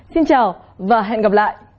xin chào và hẹn gặp lại